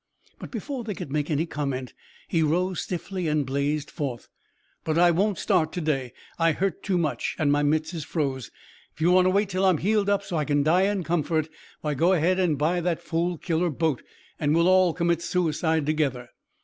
But before they could make any comment, he rose stiffly and blazed forth: "But I won't start to day. I hurt too much, and my mits is froze. If you want to wait till I'm healed up so I can die in comfort, why, go ahead and buy that fool killer boat, and we'll all commit suicide together."